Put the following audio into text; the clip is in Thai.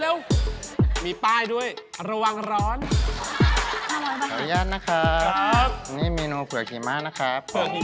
เดี๋ยวเดี๋ยวตะเกียบก่อนเลย